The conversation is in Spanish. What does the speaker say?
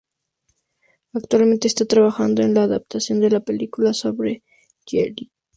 Actualmente está trabajando en la adaptación de la película sobre "Jellicoe".